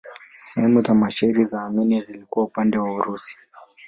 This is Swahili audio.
Sehemu za mashariki za Armenia zilikuwa upande wa Urusi.